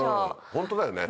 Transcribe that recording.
ホントだよね